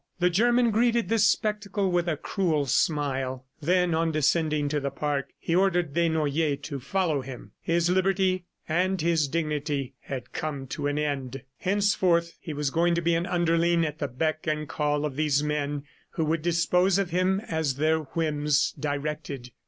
The German greeted this spectacle with a cruel smile. Then on descending to the park, he ordered Desnoyers to follow him. His liberty and his dignity had come to an end. Henceforth he was going to be an underling at the beck and call of these men who would dispose of him as their whims directed.